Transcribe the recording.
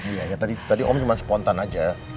iya ya tadi om cuma spontan aja